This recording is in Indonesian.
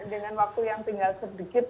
dengan waktu yang tinggal sedikit